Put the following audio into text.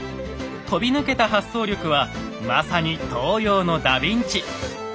飛び抜けた発想力はまさに東洋のダビンチ！